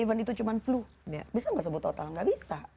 even itu cuma flu bisa tidak sembuh total tidak bisa